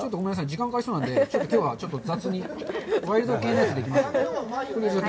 時間がかかりそうなのできょうは雑にワイルド系でいきます。